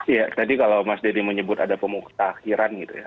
ya tadi kalau mas dedy menyebut ada pemuktakiran gitu ya